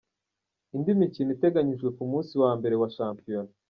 Indi mikino iteganyijwe ku munsi wa mbere wa Shampiyona:.